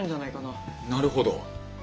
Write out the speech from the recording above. なるほど！